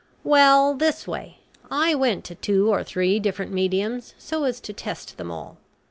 "Well, this way. I went to two or three different mediums so as to test them all.